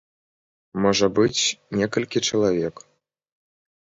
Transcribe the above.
Можа быць, некалькі чалавек.